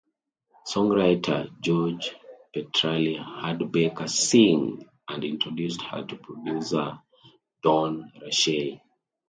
Songwriter George Petralia heard Baker sing and introduced her to producer Don Grashey.